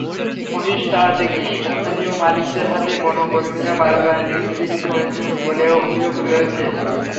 মহিষ তাড়াতে গিয়ে স্থানীয় মালিকদের হাতে বনকর্মীরা বারবার নিগৃহীত হয়েছেন বলেও অভিযোগ রয়েছে।